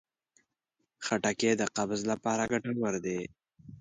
خټکی د قبض لپاره ګټور دی.